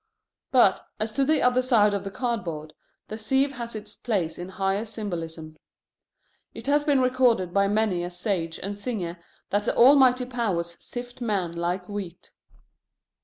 But, as to the other side of the cardboard, the sieve has its place in higher symbolism. It has been recorded by many a sage and singer that the Almighty Powers sift men like wheat.